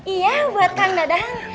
iya buat kang dadang